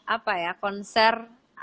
apa ya konser